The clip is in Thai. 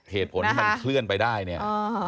เหตุผลที่มันเคลื่อนไปได้เนี่ย